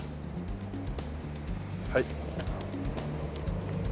はい。